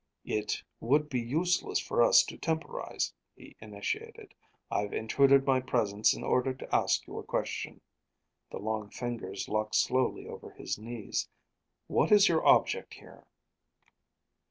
"It would be useless for us to temporize," he initiated. "I've intruded my presence in order to ask you a question." The long fingers locked slowly over his knees. "What is your object here?"